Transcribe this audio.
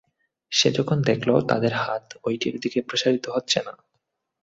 সে যখন দেখল, তাদের হাত ঐটির দিকে প্রসারিত হচ্ছে না।